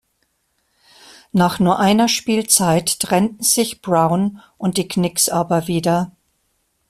Nach nur einer Spielzeit trennten sich Brown und die Knicks aber wieder.